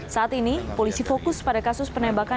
saat ini polisi fokus pada kasus penembakan